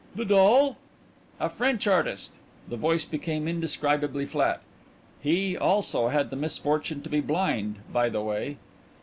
'" "Vidal?" "A French artist." The voice became indescribably flat. "He, also, had the misfortune to be blind, by the way."